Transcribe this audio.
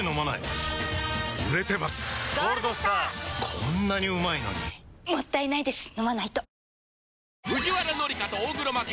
こんなにうまいのにもったいないです、飲まないと。